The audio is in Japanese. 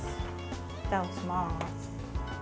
ふたをします。